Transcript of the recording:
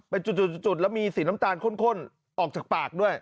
เป็นจุดแล้วมีสีน้ำตาลข้นออกจากปากด้วย